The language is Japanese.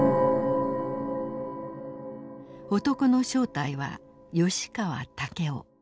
男の正体は吉川猛夫。